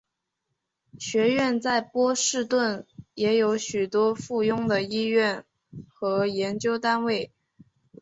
学院在波士顿也有许多附属的医院和研究单位。